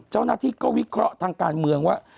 เจ้าหน้าที่ก็วิเคราะห์ทางการเมืองว่า